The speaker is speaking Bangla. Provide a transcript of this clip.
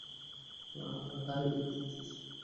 আরে এই, কী করতেছিস?